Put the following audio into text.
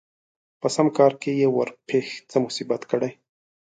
په سم کار کې يې ورپېښ څه مصيبت کړي